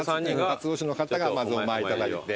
辰年の方がまずお参りいただいて。